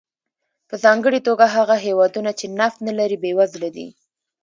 په ځانګړې توګه هغه هېوادونه چې نفت نه لري بېوزله دي.